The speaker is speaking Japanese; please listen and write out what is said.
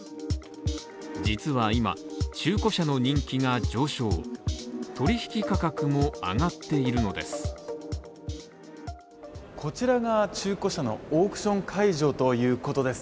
実は今、中古車の人気が上昇取引価格も上がっているのです。